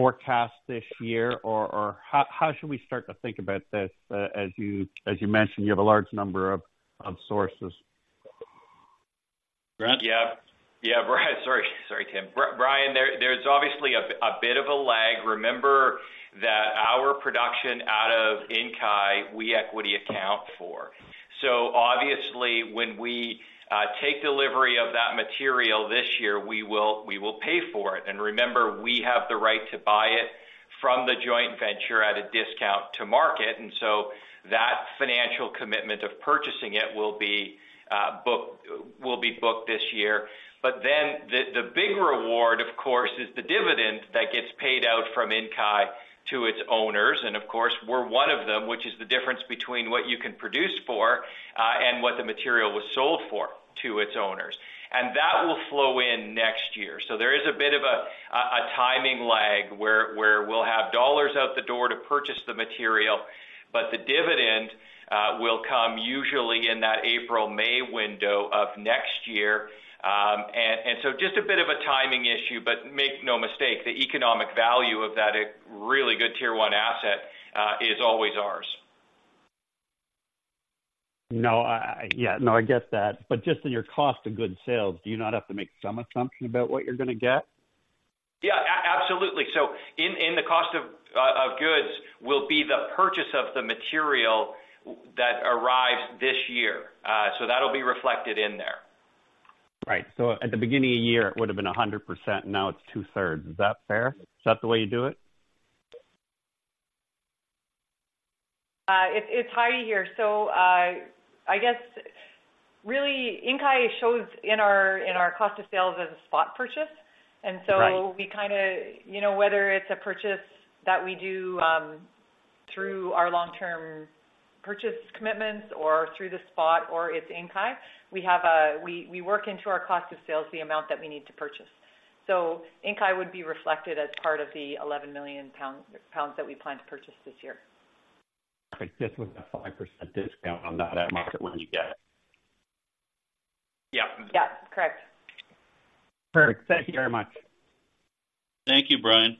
forecast this year, or how should we start to think about this? As you mentioned, you have a large number of sources. Grant? Yeah. Yeah, Brian. Sorry. Sorry, Tim. Brian, there's obviously a bit of a lag. Remember that our production out of Inkai, we equity account for. So obviously, when we take delivery of that material this year, we will pay for it. And remember, we have the right to buy it from the joint venture at a discount to market, and so that financial commitment of purchasing it will be booked this year. But then the big reward, of course, is the dividend that gets paid out from Inkai to its owners, and of course, we're one of them, which is the difference between what you can produce for and what the material was sold for to its owners. And that will flow in next year. So there is a bit of a timing lag where we'll have dollars out the door to purchase the material, but the dividend will come usually in that April-May window of next year. So just a bit of a timing issue, but make no mistake, the economic value of that, a really good Tier 1 asset, is always ours. No. Yeah. No, I get that. But just in your cost of goods sold, do you not have to make some assumption about what you're going to get? Yeah, absolutely. So in the cost of goods will be the purchase of the material that arrives this year. So that'll be reflected in there. Right. So at the beginning of the year, it would have been 100%, now it's 2/3. Is that fair? Is that the way you do it? It's, it's Heidi here. So, I guess, really, Inkai shows in our, in our cost of sales as a spot purchase. Right. So we kind of, you know, whether it's a purchase that we do through our long-term purchase commitments or through the spot or it's Inkai, we have a—we work into our cost of sales the amount that we need to purchase. So Inkai would be reflected as part of the 11 million pounds that we plan to purchase this year. Okay. Just with a 5% discount on that, at market when you get it? Yeah. Yeah, correct. Perfect. Thank you very much. Thank you, Brian.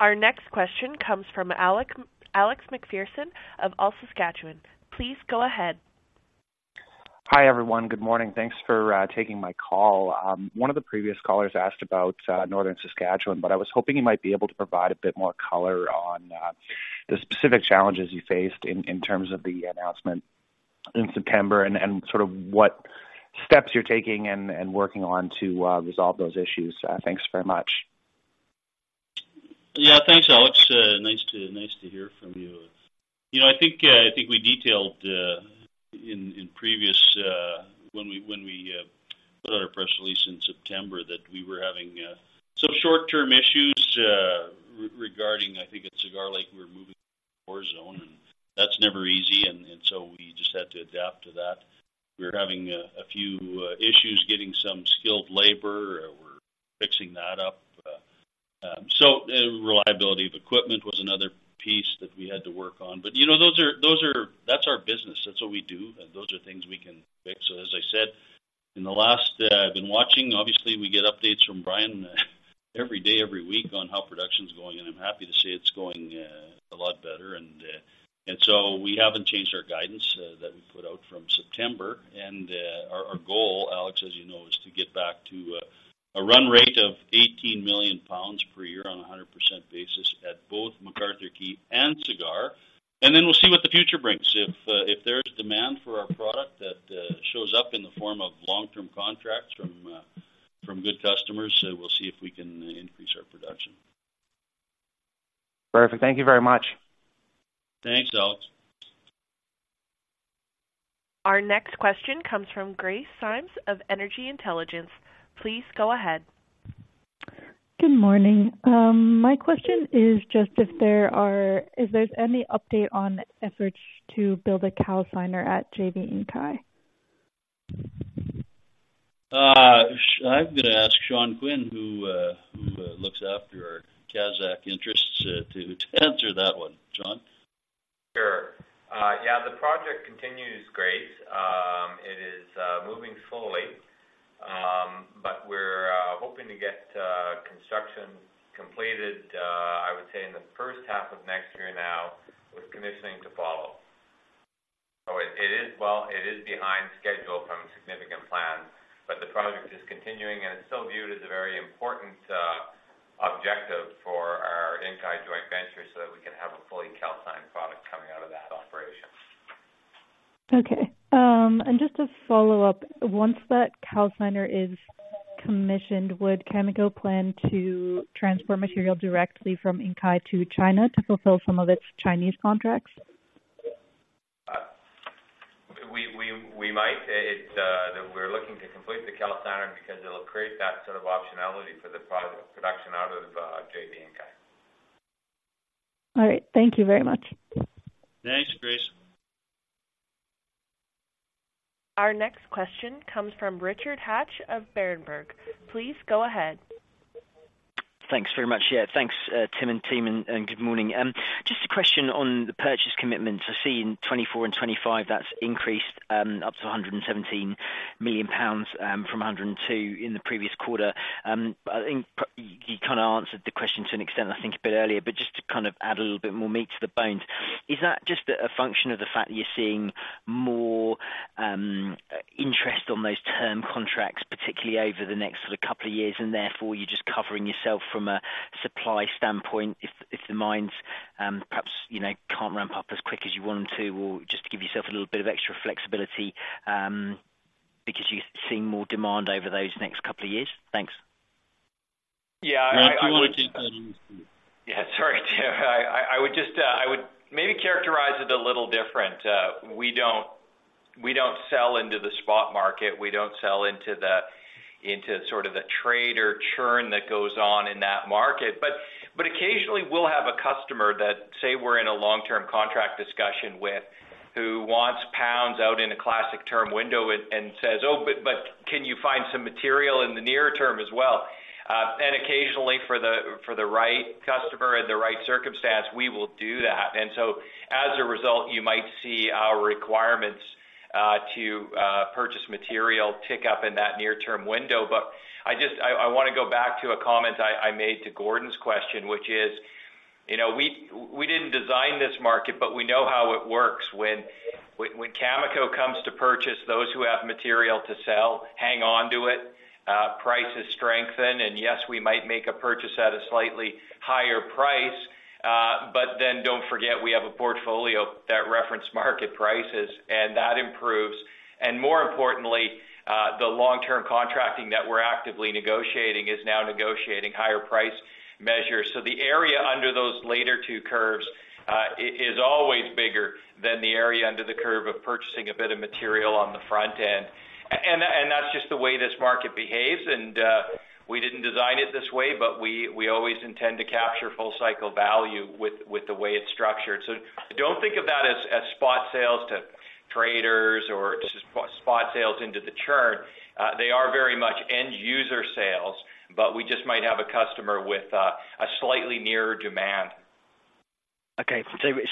Our next question comes from Alex, Alex MacPherson of allSaskatchewan. Please go ahead. Hi, everyone. Good morning. Thanks for taking my call. One of the previous callers asked about Northern Saskatchewan, but I was hoping you might be able to provide a bit more color on the specific challenges you faced in terms of the announcement in September and sort of what steps you're taking and working on to resolve those issues. Thanks very much. Yeah, thanks, Alex. Nice to, nice to hear from you. You know, I think we detailed in previous when we put out our press release in September, that we were having some short-term issues regarding, I think, at Cigar Lake, we were moving zone, and that's never easy, and so we just had to adapt to that. We were having a few issues getting some skilled labor. We're fixing that up. So and reliability of equipment was another piece that we had to work on. But, you know, those are, those are - that's our business. That's what we do, and those are things we can fix. So as I said, in the last, I've been watching, obviously, we get updates from Brian every day, every week on how production is going, and I'm happy to say it's going a lot better. So we haven't changed our guidance that we put out from September. Our goal, Alex, as you know, is to get back to a run rate of 18 million pounds per year on a 100% basis at both McArthur, Key, and Cigar. And then we'll see what the future brings. If there's demand for our product that shows up in the form of long-term contracts from good customers, so we'll see if we can increase our production. Perfect. Thank you very much. Thanks, Alex. Our next question comes from Grace Symes of Energy Intelligence. Please go ahead. Good morning. My question is just if there's any update on efforts to build a calciner at JV Inkai? I'm going to ask Sean Quinn, who looks after our Kazakh interests, to answer that one. Sean? The project continues great. It is moving slowly, but we're hoping to get construction completed, I would say, in the first half of next year now, with commissioning to follow. So it is, well, it is behind schedule from significant plans, but the project is continuing, and it's still viewed as a very important objective for our Inkai joint venture, so that we can have a fully calcined product coming out of that operation. Okay. Just to follow up, once that calciner is commissioned, would Cameco plan to transport material directly from Inkai to China to fulfill some of its Chinese contracts? We might. We're looking to complete the calciner because it'll create that sort of optionality for the production out of JV Inkai. All right. Thank you very much. Thanks, Grace. Our next question comes from Richard Hatch of Berenberg. Please go ahead. Thanks very much. Yeah, thanks, Tim and team, and, and good morning. Just a question on the purchase commitment. I've seen 2024 and 2025, that's increased up to 117 million pounds from 102 in the previous quarter. But I think you, you kind of answered the question to an extent, I think, a bit earlier, but just to kind of add a little bit more meat to the bones. Is that just a function of the fact that you're seeing more interest on those term contracts, particularly over the next couple of years, and therefore, you're just covering yourself from a supply standpoint, if the mines, perhaps, you know, can't ramp up as quick as you want them to, or just to give yourself a little bit of extra flexibility, because you're seeing more demand over those next couple of years? Thanks. Yeah, I- If you want to take that, please. Yeah, sorry, I would maybe characterize it a little different. We don't sell into the spot market. We don't sell into sort of the trader churn that goes on in that market. But occasionally we'll have a customer that say, we're in a long-term contract discussion with, who wants pounds out in a classic term window and says: Oh, but can you find some material in the near- term as well? And occasionally, for the right customer and the right circumstance, we will do that. And so as a result, you might see our requirements to purchase material tick up in that near-term window. But I want to go back to a comment I made to Gordon's question, which is, you know, we didn't design this market, but we know how it works. When Cameco comes to purchase, those who have material to sell hang on to it, prices strengthen, and yes, we might make a purchase at a slightly higher price, but then don't forget, we have a portfolio that references market prices, and that improves. And more importantly, the long-term contracting that we're actively negotiating is now negotiating higher price measures. So the area under those later two curves is always bigger than the area under the curve of purchasing a bit of material on the front end. That's just the way this market behaves, and we didn't design it this way, but we always intend to capture full cycle value with the way it's structured. So don't think of that as spot sales to traders or just spot sales into the churn. They are very much end-user sales, but we just might have a customer with a slightly nearer demand.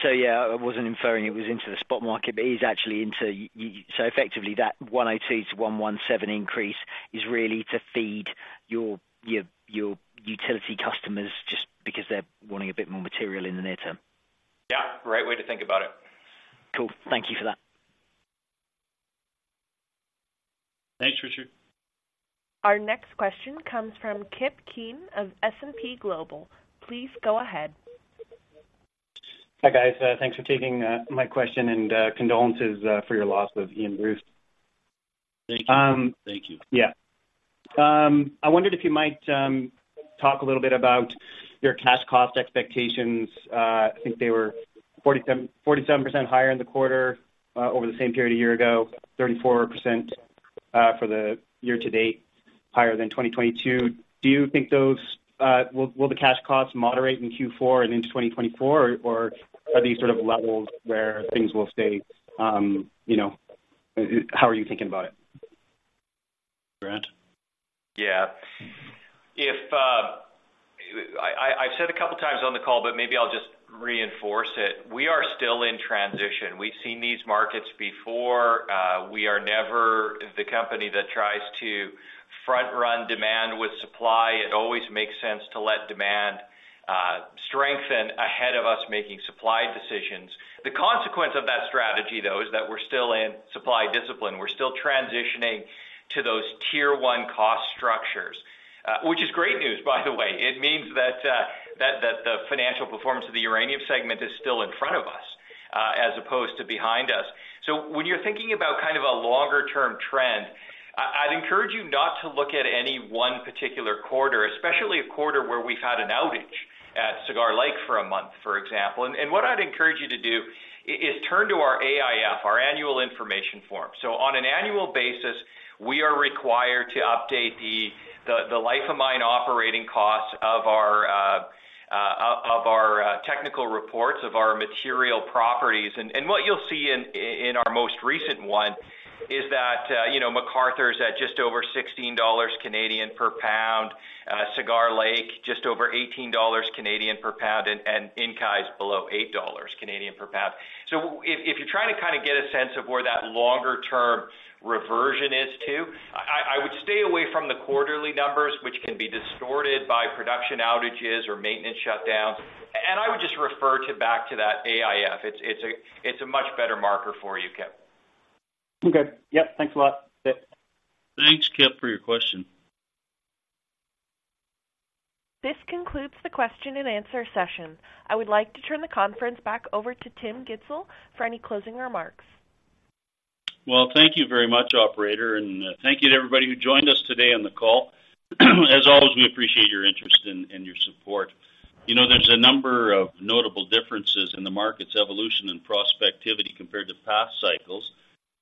So yeah, I wasn't inferring it was into the spot market, but it is actually into—so effectively, that 182-117 increase is really to feed your utility customers just because they're wanting a bit more material in the near term. Yeah, great way to think about it. Cool. Thank you for that. Thanks, Richard. Our next question comes from Kip Keen of S&P Global. Please go ahead. Hi, guys, thanks for taking my question, and condolences for your loss of Ian Bruce. Thank you. Um- Thank you. Yeah. I wondered if you might talk a little bit about your cash cost expectations. I think they were 47%, 47% higher in the quarter over the same period a year ago, 34% for the year-to-date, higher than 2022. Do you think those Will, will the cash costs moderate in Q4 and into 2024, or are these sort of levels where things will stay, you know, how are you thinking about it? Grant? Yeah. If I've said a couple of times on the call, but maybe I'll just reinforce it. We are still in transition. We've seen these markets before. We are never the company that tries to front-run demand with supply. It always makes sense to let demand strengthen ahead of us making supply decisions. The consequence of that strategy, though, is that we're still in supply discipline. We're still transitioning to those Tier One cost structures, which is great news, by the way. It means that the financial performance of the uranium segment is still in front of us, as opposed to behind us. So when you're thinking about kind of a longer-term trend, I'd encourage you not to look at any one particular quarter, especially a quarter where we've had an outage at Cigar Lake for a month, for example. What I'd encourage you to do is turn to our AIF, our annual information form. On an annual basis, we are required to update the life of mine operating costs of our technical reports, of our material properties. What you'll see in our most recent one is that, you know, McArthur is at just over 16 Canadian dollars per pound, Cigar Lake, just over 18 Canadian dollars per pound, and Inkai is below 8 Canadian dollars per pound. So if you're trying to kind of get a sense of where that longer-term reversion is to, I would stay away from the quarterly numbers, which can be distorted by production outages or maintenance shutdowns, and I would just refer back to that AIF. It's a much better marker for you, Kip. Okay. Yep. Thanks a lot. Yep. Thanks, Kip, for your question. This concludes the question and answer session. I would like to turn the conference back over to Tim Gitzel for any closing remarks. Well, thank you very much, operator, and, thank you to everybody who joined us today on the call. As always, we appreciate your interest and your support. You know, there's a number of notable differences in the market's evolution and prospectivity compared to past cycles.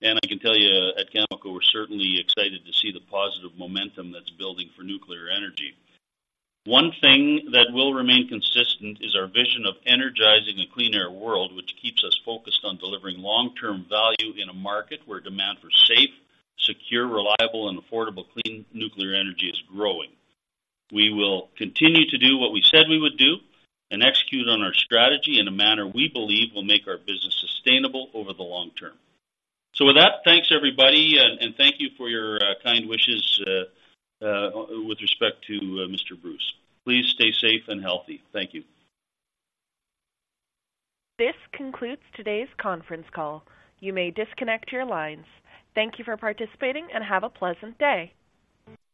I can tell you, at Cameco, we're certainly excited to see the positive momentum that's building for nuclear energy. One thing that will remain consistent is our vision of energizing a clean air world, which keeps us focused on delivering long-term value in a market where demand for safe, secure, reliable, and affordable clean nuclear energy is growing. We will continue to do what we said we would do and execute on our strategy in a manner we believe will make our business sustainable over the long-term. So with that, thanks, everybody, and thank you for your kind wishes with respect to Mr. Bruce. Please stay safe and healthy. Thank you. This concludes today's conference call. You may disconnect your lines. Thank you for participating and have a pleasant day.